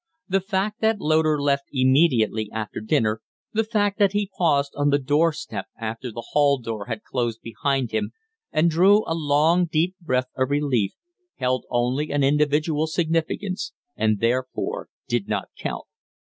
The fact that Loder left immediately after dinner, the fact that he paused on the door step after the hall door had closed behind him, and drew a long, deep breath of relief, held only an individual significance and therefore did not count.